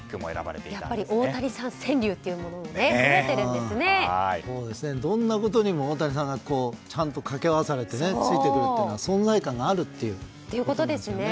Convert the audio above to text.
川柳というものもどんなことにも大谷さんがちゃんと掛け合わされてついてくるっていうのは存在感があるということですね。